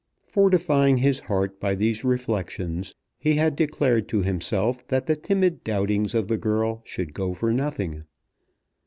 Fortifying his heart by these reflections, he had declared to himself that the timid doubtings of the girl should go for nothing.